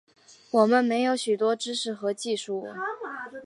我们没有许多知识和技术